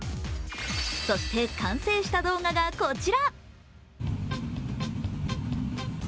そして、完成した動画がこちら。